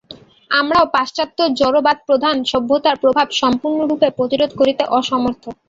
আমরাও পাশ্চাত্য জড়বাদপ্রধান সভ্যতার প্রভাব সম্পূর্ণরূপে প্রতিরোধ করিতে অসমর্থ।